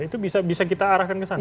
itu bisa kita arahkan ke sana